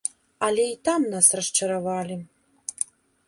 Але і там нас расчаравалі.